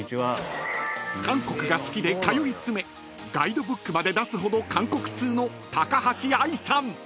［韓国が好きで通い詰めガイドブックまで出すほど韓国通の高橋愛さん］